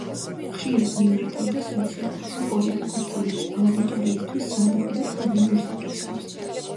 ხშირად მიმართავდა სოციალურ და პოლიტიკურ თემებს, აუდიტორიისთვის სადავო და პრობლემურ საკითხებს.